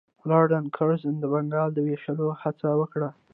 لارډ کرزن د بنګال د ویشلو هڅه وکړه.